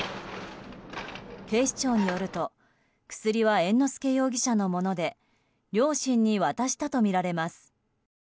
警視庁によると薬は猿之助容疑者のもので両親に渡したとみられます。